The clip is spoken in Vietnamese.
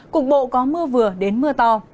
cục bộ có mưa vừa đến mưa to